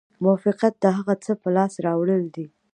موفقیت د هغه څه په لاس راوړل دي.